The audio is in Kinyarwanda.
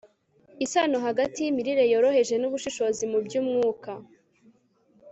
isano hagati y'imirire yoroheje n'ubushishozi mu by'umwuka